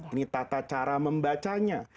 ini tata cara membacanya